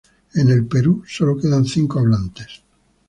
En el Perú sólo quedan cinco hablantes.